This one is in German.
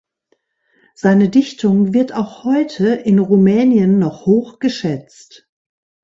Seine Dichtung wird auch heute in Rumänien noch hoch geschätzt.